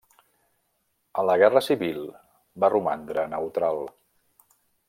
A la guerra civil va romandre neutral.